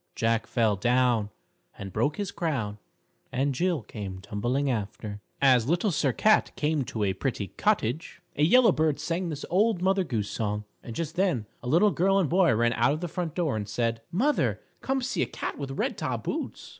Jack fell down And broke his crown, And Jill came tumbling after._ As Little Sir Cat came to a pretty cottage, a yellow bird sang this Old Mother Goose song. And just then a little girl and boy ran out of the front door, and said: "Mother, come see a cat with red top boots!"